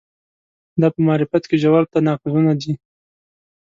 دا په معرفت کې ژور تناقضونه دي.